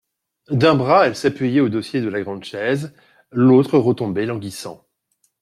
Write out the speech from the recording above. D'un bras elle s'appuyait au dossier de la grande chaise ; l'autre retombait languissant.